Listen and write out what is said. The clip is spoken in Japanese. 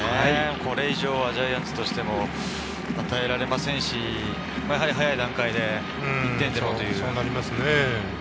これ以上、ジャイアンツとしても与えられませんし、早い段階で１点でもという。